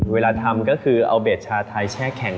เวลาทำก็คือเอาเบสชาไทยแช่แข็ง